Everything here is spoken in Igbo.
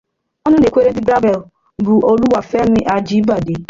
Ọnụ na-ekwuru ndị ‘Gavel’ bụ Oluwafemi Ajibade